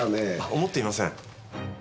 思っていません。